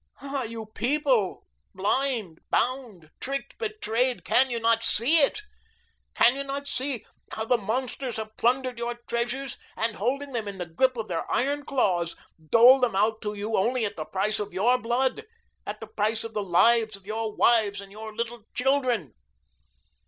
Ah, you people, blind, bound, tricked, betrayed, can you not see it? Can you not see how the monsters have plundered your treasures and holding them in the grip of their iron claws, dole them out to you only at the price of your blood, at the price of the lives of your wives and your little children?